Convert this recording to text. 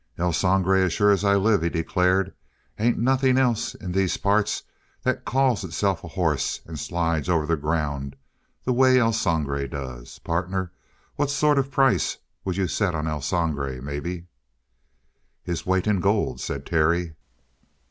"El Sangre as sure as I live!" he declared. "Ain't nothing else in these parts that calls itself a hoss and slides over the ground the way El Sangre does. Partner, what sort of a price would you set on El Sangre, maybe?" "His weight in gold," said Terry.